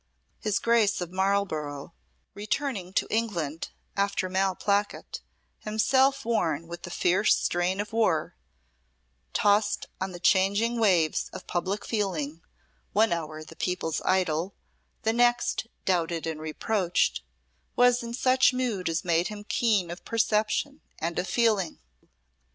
His Grace of Marlborough, returning to England after Malplaquet, himself worn with the fierce strain of war, tossed on the changing waves of public feeling, one hour the people's idol the next doubted and reproached, was in such mood as made him keen of perception and of feeling.